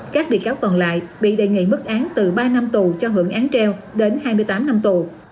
các bị cáo còn lại bị đề nghị mức án từ ba năm tù cho hưởng án treo đến hai mươi tám năm tù